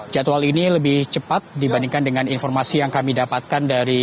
jadwal ini lebih cepat dibandingkan dengan informasi yang kami dapatkan dari